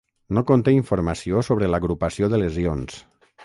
No conté informació sobre l'agrupació de lesions.